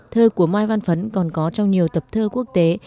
thơ của mai văn phấn còn có trong nhiều tập thơ quốc tế